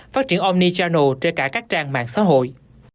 phát triển omni channel trên cả các trang mạng xã hội